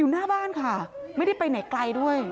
หน้าบ้านค่ะไม่ได้ไปไหนไกลด้วย